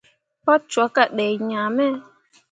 Pa cwakke a dai ŋaa me.